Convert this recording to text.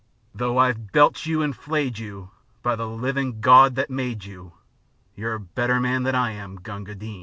Though I've belted you and flayed you, By the livin' Gawd that made you, You're a better man than I am, Gunga Din!